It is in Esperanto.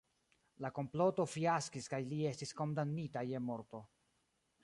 La komploto fiaskis kaj li estis kondamnita je morto.